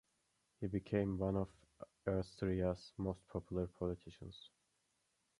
He became one of Austria's most popular politicians.